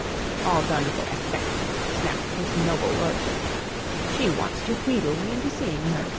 "All done for effect!" snapped his noble lordship. "She wants to wheedle me into seeing her.